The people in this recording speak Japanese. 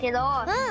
うん。